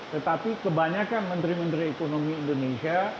tetapi kebanyakan menteri menteri ekonomi indonesia